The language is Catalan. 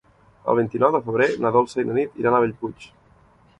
El vint-i-nou de febrer na Dolça i na Nit iran a Bellpuig.